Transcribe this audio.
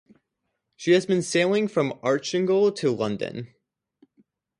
She had been sailing from Archangel to London.